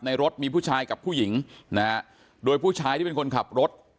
รถมีผู้ชายกับผู้หญิงนะฮะโดยผู้ชายที่เป็นคนขับรถ